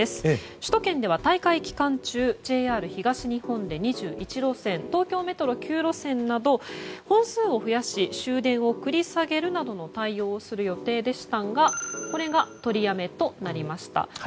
首都圏では大会期間中ＪＲ東日本で２１路線東京メトロで９路線など本数を増やして終電を繰り下げるなどの対応をする予定でしたがこれが取りやめとなりました。